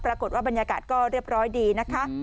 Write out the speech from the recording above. ปรากฏว่าบรรยากาศก็เรียบร้อยดีนะคะ